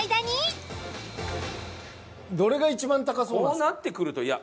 こうなってくるといや。